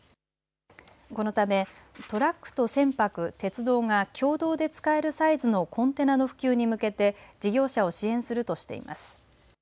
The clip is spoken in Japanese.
このためトラックと船舶、鉄道が共同で使えるサイズのコンテナの普及に向けて事業者を支援するとしています。